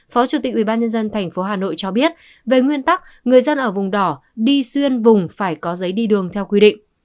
phó chủ tịch ubnd tp hà nội cho biết về nguyên tắc người dân ở vùng đỏ đi xuyên vùng phải có giấy đi đường theo quy định